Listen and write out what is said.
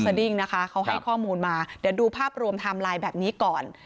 ดิ้งนะคะเขาให้ข้อมูลมาเดี๋ยวดูภาพรวมไทม์ไลน์แบบนี้ก่อน